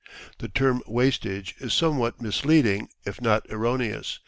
The term wastage is somewhat misleading, if not erroneous.